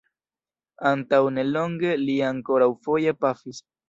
Antaŭnelonge li ankoraŭfoje pafis.